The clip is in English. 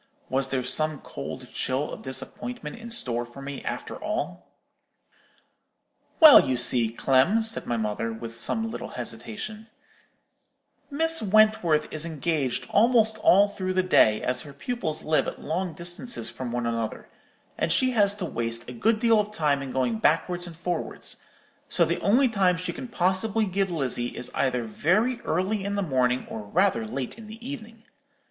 Was there some cold chill of disappointment in store for me, after all? "'Well, you see, Clem,' said my mother, with some little hesitation, 'Miss Wentworth is engaged almost all through the day, as her pupils live at long distances from one another, and she has to waste a good deal of time in going backwards and forwards; so the only time she can possibly give Lizzie is either very early in the morning or rather late in the evening.